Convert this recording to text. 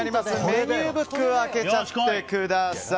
メニューブックを開けちゃってください。